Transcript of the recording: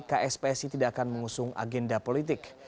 kspsi tidak akan mengusung agenda politik